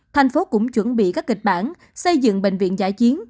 thành phố cũng chuẩn bị các kịch bản xây dựng bệnh viện giã chiến